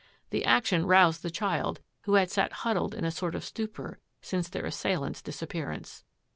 The action roused the child, who had sat huddled in a sort of stupor since their assailant's disap pearance.